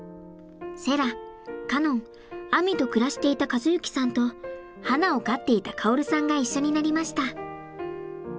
セラカノンあみと暮らしていた和之さんとはなを飼っていた薫さんが一緒になりました。